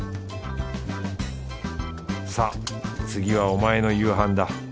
さあ次はお前の夕飯だ。